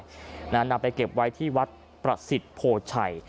นำไปเก็บไว้ที่วัดประสิทธิ์โพชัย